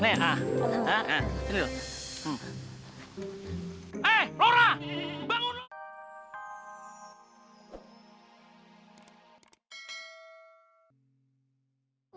eh laura bangun